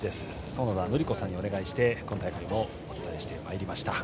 園田教子さんにお願いして今大会もお伝えしてまいりました。